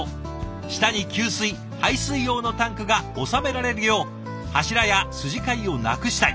下に給水排水用のタンクが収められるよう柱や筋交いをなくしたい。